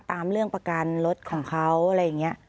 ตามเรื่องประกันรถของเขาอะไรอย่างนี้